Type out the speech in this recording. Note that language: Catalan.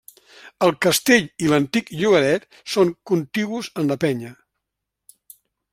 El castell i l'antic llogaret són contigus en la penya.